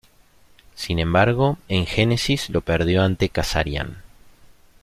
Sin embargo, en Genesis lo perdió ante Kazarian.